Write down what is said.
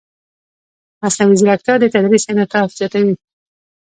مصنوعي ځیرکتیا د تدریس انعطاف زیاتوي.